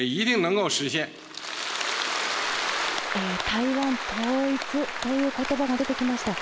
台湾統一ということばが出てきました。